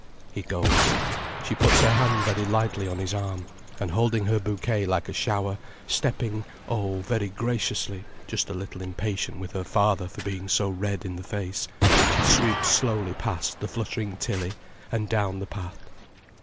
He goes. She puts her hand very lightly on his arm, and holding her bouquet like a shower, stepping, oh, very graciously, just a little impatient with her father for being so red in the face, she sweeps slowly past the fluttering Tilly, and down the path.